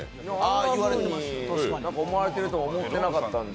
あんなふうに思われてると思ってなかったんで。